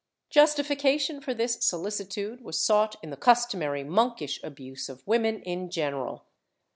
Justification for this solicitude was sought in the customary monkish abuse of women in general.